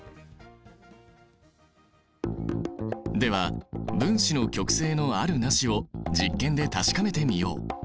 では分子の極性のあるなしを実験で確かめてみよう。